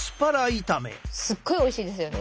すっごいおいしいですよね。